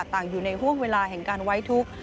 ต่างอยู่ในห่วงเวลาแห่งการไว้ทุกข์